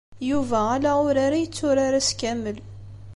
Yuba ala urar i yetturar ass kamel.